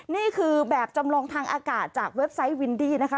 นี่คือแบบจำลองทางอากาศจากเว็บไซต์วินดี้นะคะ